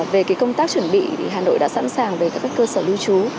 về công tác chuẩn bị hà nội đã sẵn sàng về các cơ sở lưu trú